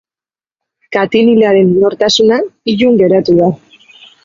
Katilinaren nortasuna ilun geratu da.